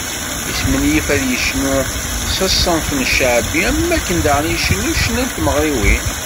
Yesmenyif ad yecnu s ṣṣenf n cceɛbi, am wakken daɣen icennu ccna n tmeɣriwin.